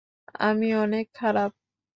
আমি অনেক খারাপ!